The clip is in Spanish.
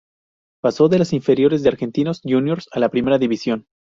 Pasó de las inferiores de Argentinos Juniors a la Primera División.